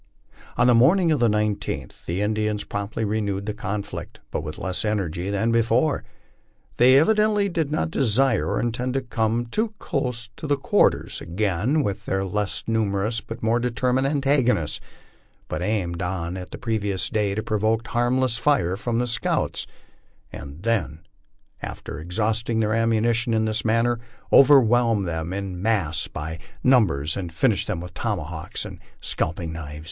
On the morn ing of the 19th the Indians promptly renewed the conflict, but with less energy than before. They evidently did not desire or intend to come to close quarters again with their less numerous but more determined antagonists, but aimed as on the previous day to provoke a harmless fire from the scouts, and then, after exhausting their ammunition in this manner, overwhelm them by mass of numbers, and finish them with tomahawk and scalping knife.